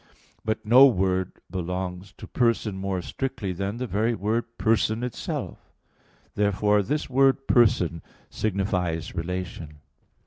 But no word belongs to person more strictly than the very word "person" itself. Therefore this word "person" signifies relation.